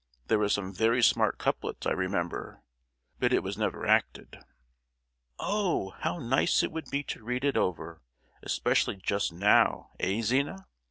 There were some very smart couplets, I remember; but it was never acted." "Oh! how nice it would be to read it over, especially just now, eh, Zina?